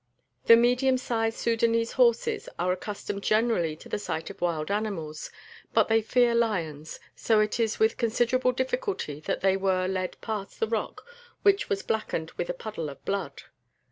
The medium sized Sudânese horses are accustomed generally to the sight of wild animals, but they fear lions, so it was with considerable difficulty that they were led past the rock which was blackened with a puddle of blood.